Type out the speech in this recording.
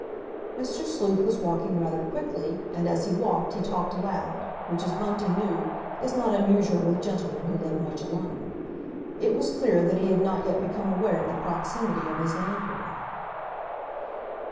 Mr. Sleuth was walking rather quickly, and as he walked he talked aloud, which, as Bunting knew, is not unusual with gentlemen who live much alone. It was clear that he had not yet become aware of the proximity of his landlord.